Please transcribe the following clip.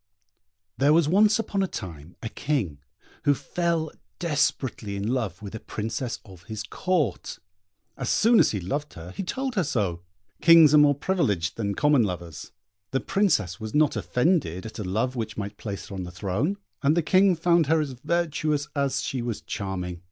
There was once upon a time a King, who fell desperately in love with a Princess of his Court. As soon as he loved her he told her so. Kings are more privileged than common lovers. The Princess was not offended at a love which might place her on the throne, and the King found her as virtuous as she was charming.